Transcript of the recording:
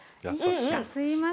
すいません。